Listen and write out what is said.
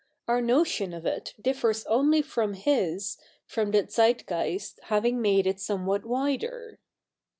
Our notion of it differs only from his, from the Zeitgeist having made it somewhat wider.'